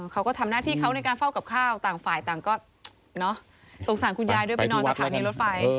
เขาก็ทำหน้าที่เขาในการเฝ้ากับข้าวต่างฝ่ายต่างก็สงสารคุณยายด้วยไปนอนสถานีรถไฟ